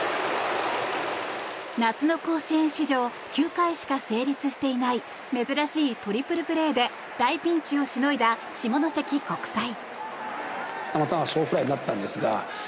夏の甲子園史上９回しか成立していない珍しいトリプルプレーで大ピンチをしのいだ下関国際。